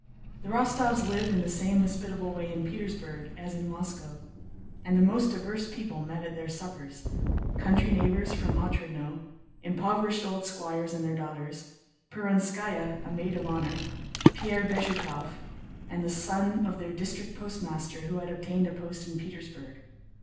The Rostóvs lived in the same hospitable way in Petersburg as in Moscow, and the most diverse people met at their suppers. Country neighbors from Otrádnoe, impoverished old squires and their daughters, Perónskaya a maid of honor, Pierre Bezúkhov, and the son of their district postmaster who had obtained a post in Petersburg.